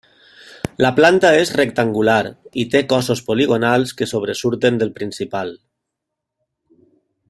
La planta és rectangular i té cossos poligonals que sobresurten del principal.